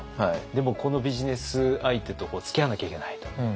でもこのビジネス相手とつきあわなきゃいけないと。